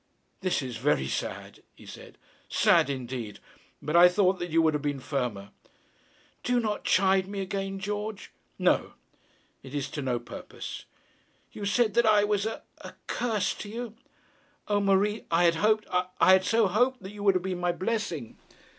'This is very sad,' he said, 'sad indeed; but I thought that you would have been firmer.' 'Do not chide me again, George.' 'No; it is to no purpose.' 'You said that I was a curse to you?' 'O Marie, I had hoped, I had so hoped, that you would have been my blessing!'